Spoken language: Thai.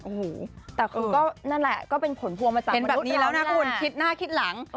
โอ้โหแต่คือก็นั่นแหละก็เป็นผลพวงมาจากคนแบบนี้แล้วนะคุณคิดหน้าคิดหลัง